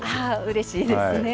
うれしいですね。